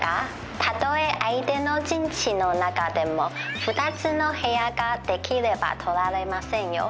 たとえ相手の陣地の中でも２つの部屋ができれば取られませんよ。